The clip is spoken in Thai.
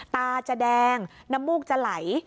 ตาจะแดงน้ำมูกจะไหล